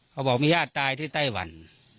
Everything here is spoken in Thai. เขาบอกมีญาติตายที่ไต้หวัน